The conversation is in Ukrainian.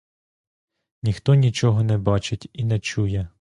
Ніхто нічого не бачить і не чує.